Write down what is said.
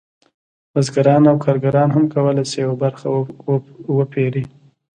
بزګران او کارګران هم کولی شي یوه برخه وپېري